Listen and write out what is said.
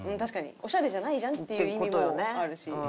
オシャレじゃないじゃんっていう意味もあるし。